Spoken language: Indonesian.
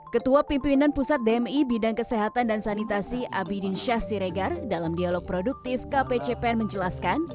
ketua pimpinan pusat dmi bidang kesehatan dan sanitasi abidin syah siregar dalam dialog produktif kpcpen menjelaskan